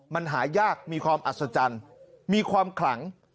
มันหายากมีความอัศจรรย์มีความขลัง